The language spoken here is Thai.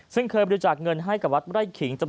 ซึ่งเคยบริจาคเงินให้กับวัดไร่ขิงจำ